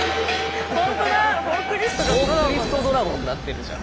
フォークリフトドラゴンになってるじゃん。